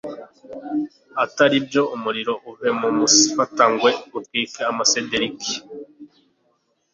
atari byo umuriro uve mu mufatangwe utwike amasederiki